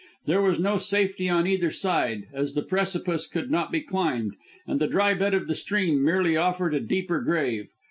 There was no safety on either side, as the precipice could not be climbed, and the dry bed of the stream merely offered a deeper grave.